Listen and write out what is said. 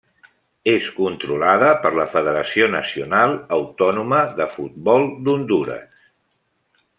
És controlada per la Federació Nacional Autònoma de Futbol d'Hondures.